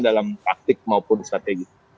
dalam praktik maupun strategi